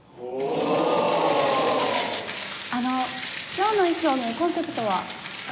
あの今日の衣装のコンセプトは？え？